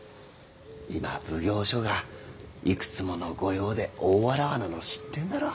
今は奉行所がいくつもの御用で大わらわなの知ってんだろ？